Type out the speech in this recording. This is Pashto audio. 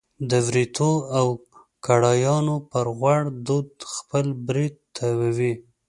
د وریتو او کړایانو پر غوړ دود خپل برېت تاووي.